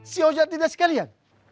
si oja tidak sekalian